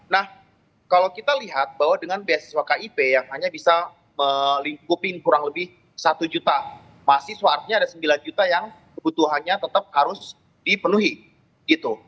nah kalau kita lihat bahwa dengan beasiswa kip yang hanya bisa melingkupi kurang lebih satu juta mahasiswa artinya ada sembilan juta yang kebutuhannya tetap harus dipenuhi gitu